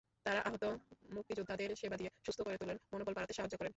তঁারা আহত মুক্তিযোদ্ধাদের সেবা দিয়ে সুস্থ করে তোলেন, মনোবল বাড়াতে সাহায্য করেন।